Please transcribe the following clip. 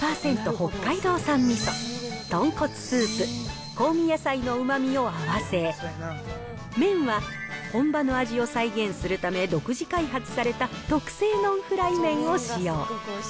北海道産みそ、豚骨スープ、香味野菜のうまみを合わせ、麺は本場の味を再現するため独自開発された特製ノンフライ麺を使用。